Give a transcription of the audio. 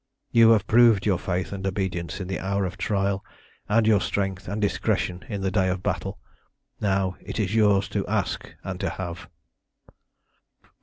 You have proved your faith and obedience in the hour of trial, and your strength and discretion in the day of battle. Now it is yours to ask and to have."